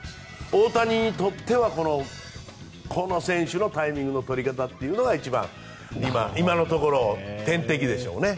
大谷選手は、この選手のタイミングの取り方が一番今のところ天敵でしょうね。